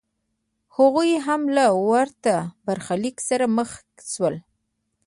هغوی هم له ورته برخلیک سره مخ شول